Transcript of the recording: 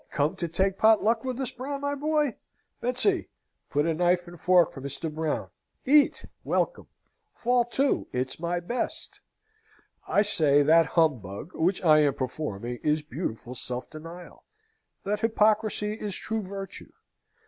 come to take pot luck with us, Brown my boy! Betsy! put a knife and fork for Mr. Brown. Eat! Welcome! Fall to! It's my best!" I say that humbug which I am performing is beautiful self denial that hypocrisy is true virtue.